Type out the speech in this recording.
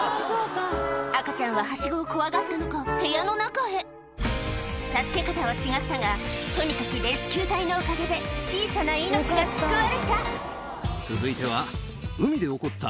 赤ちゃんははしごを怖がったのか部屋の中へ助け方は違ったがとにかくレスキュー隊のおかげで続いては海で起こった。